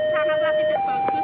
sangatlah tidak bagus